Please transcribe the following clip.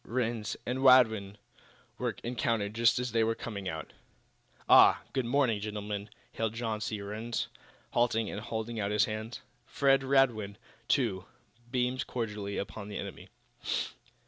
Rhinds and Radwin were encountered just as they were coming out. "Ah, good morning, gentlemen," hailed John C. Rhinds, halting and holding out his hand. Fred Radwin, too, beamed cordially upon the enemy.